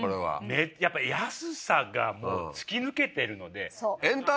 やっぱ安さがもう突き抜けてるので。